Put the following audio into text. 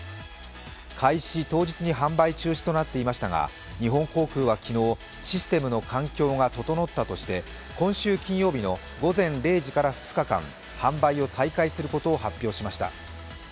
開始当日に販売中止となっていましたが、日本航空は昨日、システムの環境が整ったとして今週金曜日の午前０時から２日間販売を再開することを発表しました。